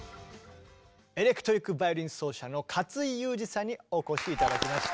エレクトリック・バイオリン奏者の勝井祐二さんにお越し頂きました。